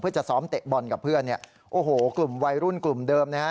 เพื่อจะซ้อมเตะบอลกับเพื่อนเนี่ยโอ้โหกลุ่มวัยรุ่นกลุ่มเดิมนะฮะ